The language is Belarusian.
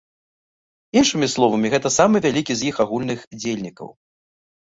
Іншымі словамі, гэта самы вялікі з іх агульных дзельнікаў.